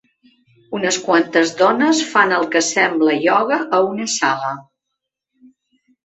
Unes quantes dones fan el que sembla ioga a una sala.